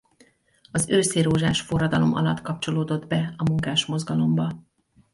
Az őszirózsás forradalom alatt kapcsolódott be a munkásmozgalomba.